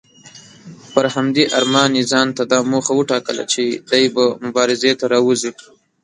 پر همدې ارمان یې ځانته دا موخه وټاکله چې دی به مبارزې ته راوځي.